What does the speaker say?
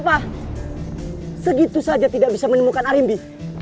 wah segitu saja tidak bisa menemukan arimbi